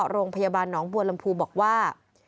โรงพยาบาลหนองบัวลำพูบอกว่า